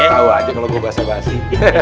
tahu aja kalau gue basah basi